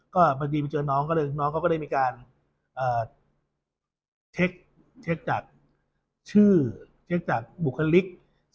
ก็ปัจจีนไปเจอน้องก็เลยน้องก็ได้มีการเทคจากชื่อเทคจากบุคลิก